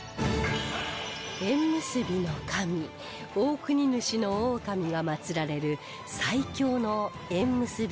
縁結びの神大国主大神が祀られる最強の縁結び